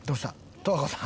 十和子さん？